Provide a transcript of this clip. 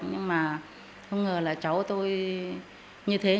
nhưng mà không ngờ là cháu tôi như thế